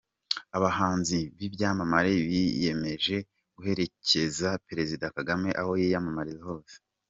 Abahanzi b'ibyamamare biyemeje guherekeza Perezida Kagame aho yiyamamariza hose.